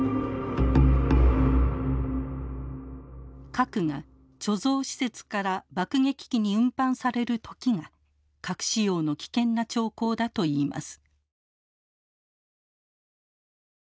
核が貯蔵施設から爆撃機に運搬される時が核使用の危険な兆候だといいます。